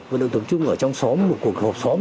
vận động tập trung ở trong xóm một cuộc hộp xóm